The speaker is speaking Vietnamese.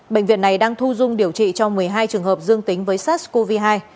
bệnh viện này đang thu dung điều trị cho một mươi hai trường hợp dương tính với sars cov hai